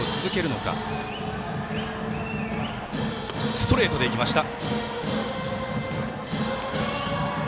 ストレートでいきました。